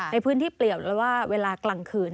ในพื้นที่เปรียวหรือว่าเวลากลางคืน